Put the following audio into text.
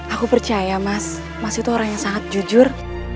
aku percaya mas mas itu orang yang sangat jujur